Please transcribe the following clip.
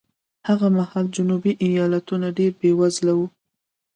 هغه مهال جنوبي ایالتونه ډېر بېوزله وو.